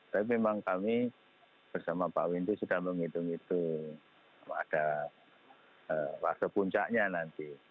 tapi memang kami bersama pak windu sudah menghitung itu ada fase puncaknya nanti